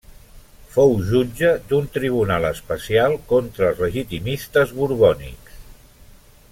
Fou jutge d'un tribunal especial contra els legitimistes borbònics.